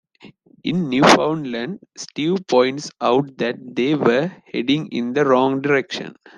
In Newfoundland, Steve points out that they were heading in the wrong direction.